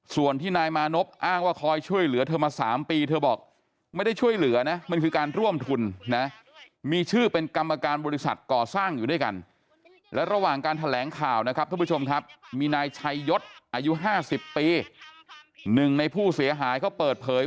ส่วนที่นายมานพ